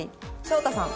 翔太さん。